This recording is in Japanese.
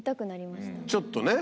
ちょっとね